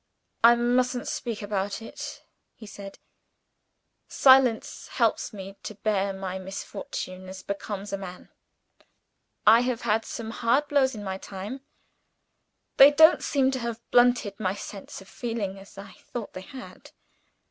"I mustn't speak about it," he said. "Silence helps me to bear my misfortune as becomes a man. I have had some hard blows in my time: they don't seem to have blunted my sense of feeling as I thought they had.